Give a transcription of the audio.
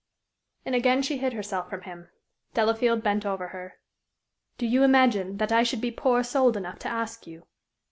And again she hid herself from him. Delafield bent over her. "Do you imagine that I should be poor souled enough to ask you?"